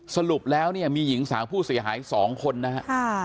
สรุปแล้วเนี่ยมีหญิงสาวผู้เสียหาย๒คนนะครับ